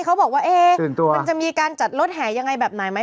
เขาบอกว่ามันจะมีการจัดรถแห่ยังไงแบบไหนไหม